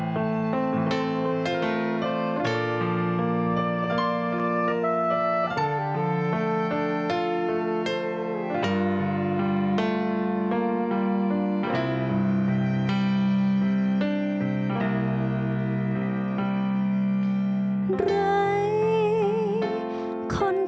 ร้อยคนคิดร้อยคนคิดร้อยคนคิด